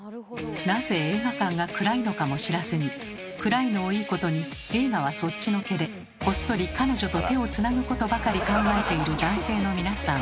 なぜ映画館が暗いのかも知らずに暗いのをいいことに映画はそっちのけでこっそり彼女と手をつなぐことばかり考えている男性の皆さん。